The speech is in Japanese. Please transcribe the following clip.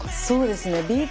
そうですね。